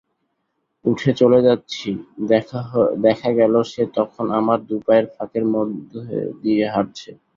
উঠে চলে যাচ্ছি, দেখা গেল সে তখন আমার দুপায়ের ফাঁকের মধ্যে দিয়ে হাঁটছে।